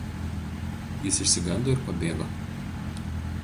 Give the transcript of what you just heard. Jis išsigando ir pabėgo.